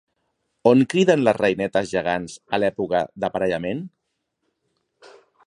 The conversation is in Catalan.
On criden les reinetes gegants a l'època d'aparellament?